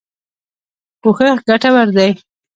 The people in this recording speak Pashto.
کوښښ ګټور دی.